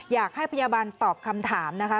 อยากให้พยาบาลตอบคำถามนะคะ